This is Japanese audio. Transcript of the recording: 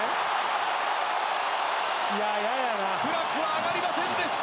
フラッグは上がりませんでした。